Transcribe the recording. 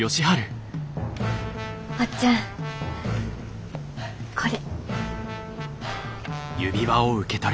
おっちゃんこれ。